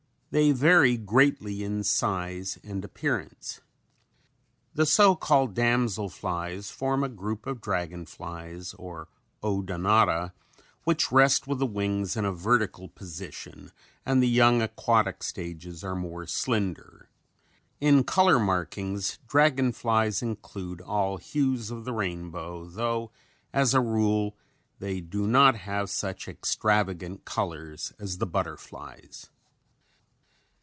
They vary greatly in size and appearance. The so called damsel flies form a group of dragon flies or Odonata which rest with the wings in a vertical position and the young aquatic stages are more slender. In color markings dragon flies include all hues of the rainbow tho as a rule they do not have such extravagant colors as the butterflies. [Illustration: One of our common dragon flies found about ponds and streams.